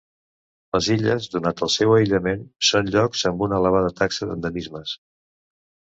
Les illes, donat el seu aïllament, són llocs amb una elevada taxa d'endemismes.